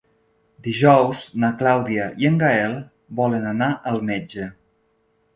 Dijous na Clàudia i en Gaël volen anar al metge.